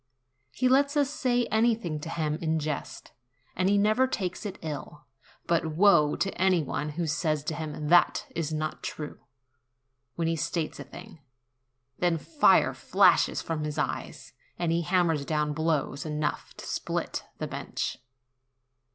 He lets us say anything to him in jest, and he never takes it ill; but woe to any one who says to him, "That is not true," when he states a thing: then fire flashes from his eyes, and he hammers down blows enough to split the bench.